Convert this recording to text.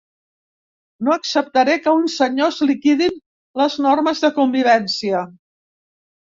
No acceptaré que uns senyors liquidin les normes de convivència.